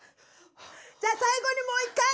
じゃあ最後にもう一回！